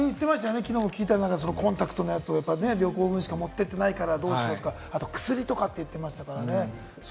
コンタクトのやつを旅行分しか持ってってないからどうしようとか、あと薬とかいう話もありましたからね。